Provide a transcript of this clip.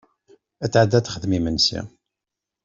Ad tɛedi ad texdem imensi.